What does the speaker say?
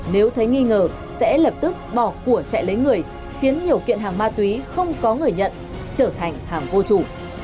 nếu thấy nghi ngờ sẽ lập tức bỏ của chạy lấy người khiến nhiều kiện hàng ma túy không có người nhận trở thành hàng vô chủ